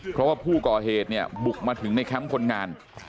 เพราะผู้ก่อเหตุบุกมาถึงในแคมป์คนงาน